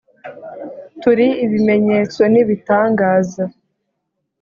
turi ibimenyetso n ibitangaza